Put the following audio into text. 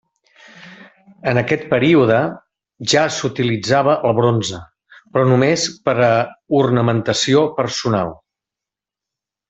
En aquest període ja s'utilitzava el bronze, però només per a ornamentació personal.